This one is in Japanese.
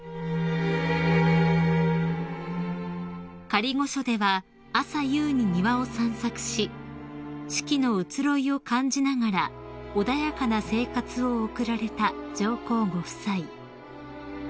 ［仮御所では朝夕に庭を散策し四季の移ろいを感じながら穏やかな生活を送られた上皇ご夫妻］